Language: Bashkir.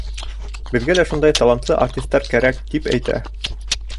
Беҙгә шундай талантлы артистар кәрәк, тип әйтә.